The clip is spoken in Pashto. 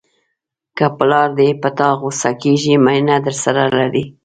که پلار دې په تا غوسه کېږي مینه درسره لري.